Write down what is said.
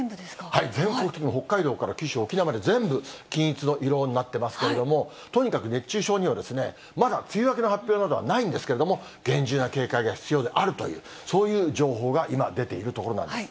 はい、全国的に北海道から九州、沖縄まで全部、均一の色になっていますけれども、とにかく熱中症には、まだ梅雨明けの発表などはないんですけれども、厳重な警戒が必要であるという、そういう情報が今、出ているところなんです。